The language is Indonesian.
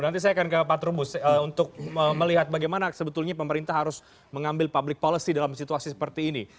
nanti saya akan ke pak trubus untuk melihat bagaimana sebetulnya pemerintah harus mengambil public policy dalam situasi seperti ini